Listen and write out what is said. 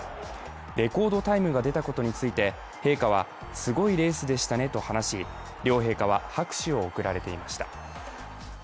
レコードタイムが出たことについて陛下は、すごいレースでしたねと話し、両陛下は拍手を送られていました。